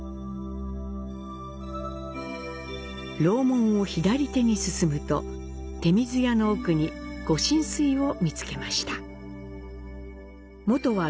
楼門を左手に進むと、手水舎の奥に「御神水」を見つけました。